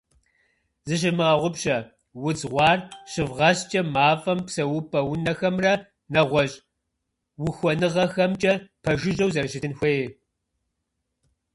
Зыщывмыгъэгъупщэ, удз гъуар щывгъэскӏэ мафӏэм псэупӏэ унэхэмрэ нэгъуэщӏ ухуэныгъэхэмкӏэ пэжыжьэу зэрыщытын хуейр.